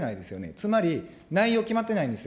つまり、内容決まってないんですよ。